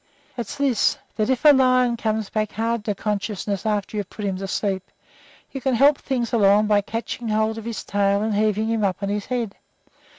It's this, that if a lion comes back hard to consciousness after you've put him to sleep, you can help things along by catching hold of his tail and heaving him up on his head.